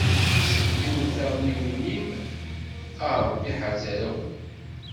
Sembiwel taɣmiwin-im, a Ṛebbi ḥerz arraw-im.